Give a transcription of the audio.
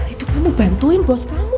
itu gue mau bantuin bos kamu